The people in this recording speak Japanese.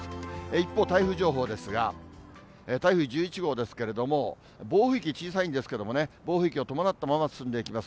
一方、台風情報ですが、台風１１号ですけれども、暴風域小さいんですけれどもね、暴風域を伴ったまま進んでいきます。